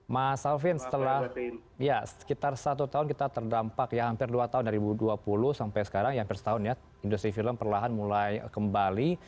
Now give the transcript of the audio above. mas alvin setelah ya sekitar satu tahun kita terdampak ya hampir dua tahun dua ribu dua puluh sampai sekarang hampir setahun ya industri film perlahan mulai kembali